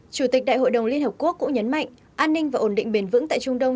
chủ tịch đại hội đồng liên hợp quốc cũng nhấn mạnh an ninh và ổn định bền vững tại trung đông